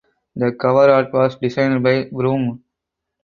The cover art was designed by Brumm.